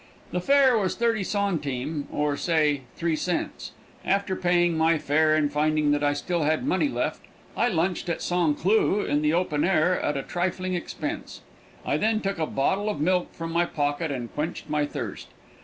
The fare was thirty centimes or, say, three cents. After paying my fare and finding that I still had money left, I lunched at St. Cloud in the open air at a trifling expense. I then took a bottle of milk from my pocket and quenched my thirst.